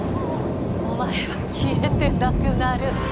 お前は消えてなくなる。